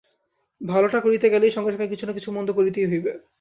ভালটা করিতে গেলেই সঙ্গে সঙ্গে কিছু না কিছু মন্দ করিতেই হইবে।